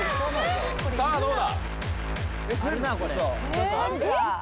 さぁどうだ？